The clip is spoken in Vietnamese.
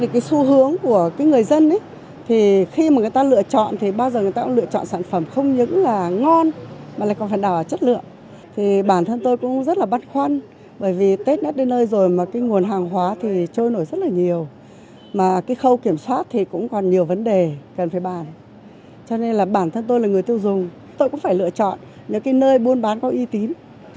cho nên là bản thân tôi là người tiêu dùng tôi cũng phải lựa chọn những nơi buôn bán có y tín